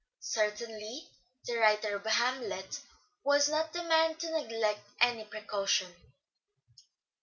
Certainly the writer of " Hamlet " was not the man to neglect any precaution.